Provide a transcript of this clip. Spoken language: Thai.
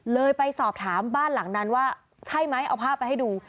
ไปสอบถามบ้านหลังนั้นว่าใช่ไหมเอาภาพไปให้ดู